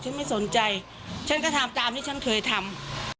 ไม่สนใจฉันก็ทำตามที่ฉันเคยทำ